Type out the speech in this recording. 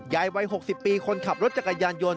ยายวัย๖๐ปีคนขับรถจักรยานยนต์